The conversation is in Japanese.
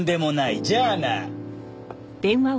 じゃあな。